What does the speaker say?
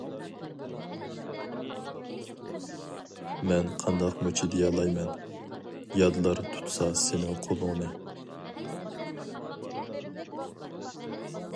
مەن قانداقمۇ چىدىيالايمەن، يادلار تۇتسا سېنىڭ قولۇڭنى.